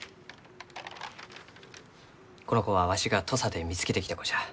この子はわしが土佐で見つけてきた子じゃ。